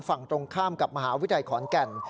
ฝั่งตรงข้ามกับมหาวิทยาลัยขอนแก่น